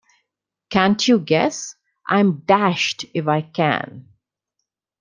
'Can't you guess?' 'I'm dashed if I can.'